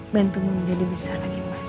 bantumu menjadi besar lagi mas